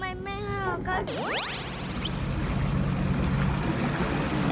ไม่ครับ